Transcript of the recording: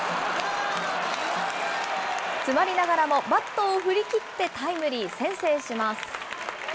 詰まりながらも、バットを振り切ってタイムリー、先制します。